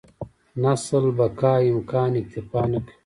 نسل بقا امکان اکتفا نه کوي.